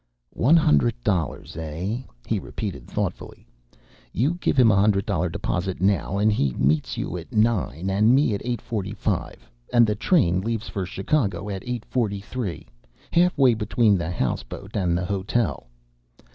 "One hundred dollars, eh?" he repeated thoughtfully. "You give him a hundred dollar deposit now and he meets you at nine, and me at eight forty five, and the train leaves for Chicago at eight forty three, halfway between the house boat and the hotel!